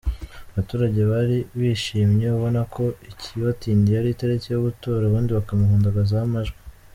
Abaturage bari bishimye ubona ko ikibatindiye ari itariki yo gutora ubundi bakamuhundagazaho amajwi.